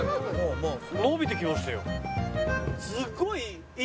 伸びてきましたよ。